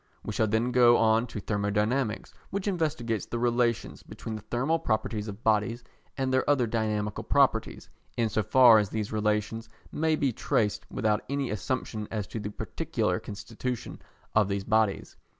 We shall then go on to Thermodynamics, which investigates the relations between the thermal properties of bodies and their other dynamical properties, in so far as these relations may be traced without any assumption as to the particular constitution of these bodies.